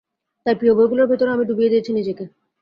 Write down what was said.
তার প্রিয় বইগুলোর ভেতরে আমি ডুবিয়ে দিয়েছি নিজেকে।